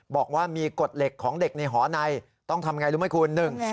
บอกว่ามีกฎเหล็กของเด็กในหอในต้องทำอย่างไรรู้ไหมคุณ